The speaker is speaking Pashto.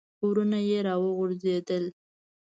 ورونه یې را وغورځېده.